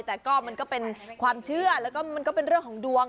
แต่ก็มันก็เป็นความเชื่อแล้วก็มันก็เป็นเรื่องของดวง